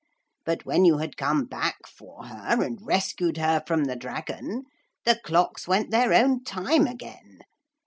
But when you had come back for her, and rescued her from the dragon, the clocks went their own time again.